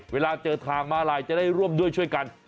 เวลาเจอทางมาลายจะได้ร่วมด้วยช่วยกัน